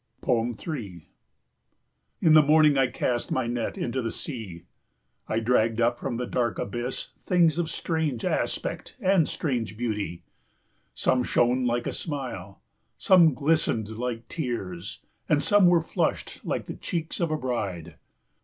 3 In the morning I cast my net into the sea. I dragged up from the dark abyss things of strange aspect and strange beauty some shone like a smile, some glistened like tears, and some were flushed like the cheeks of a bride.